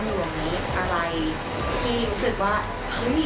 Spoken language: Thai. มันเป็นเรื่องที่ถ้าหายที่มันจะหายไป